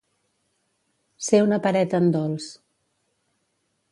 Ser una pereta en dolç.